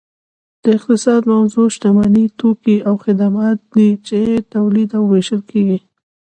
د اقتصاد موضوع شتمني توکي او خدمات دي چې تولید او ویشل کیږي